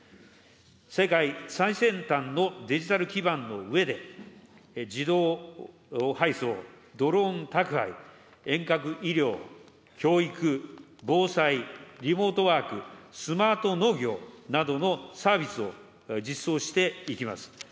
世界最先端のデジタル基盤のうえで、自動配送、ドローン宅配、遠隔医療、教育、防災、リモートワーク、スマート農業などのサービスを実装していきます。